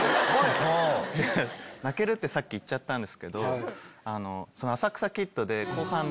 泣けるってさっき言っちゃったんですけど。